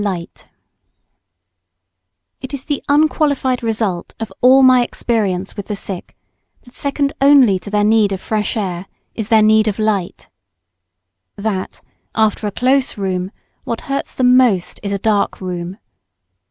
] It is the unqualified result of all my experience with the sick, that second only to their need of fresh air is their need of light; that, after a close room, what hurts them most is a dark room.